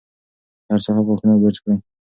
هر سهار غاښونه برس کړئ.